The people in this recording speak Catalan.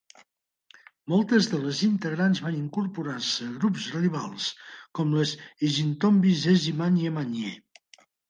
Moltes de les integrants van incorporar-se a grups rivals com les Izintombi Zesi Manje Manje.